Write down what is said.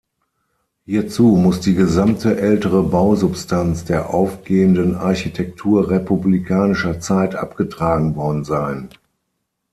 Hierzu muss die gesamte ältere Bausubstanz der aufgehenden Architektur republikanischer Zeit abgetragen worden sein.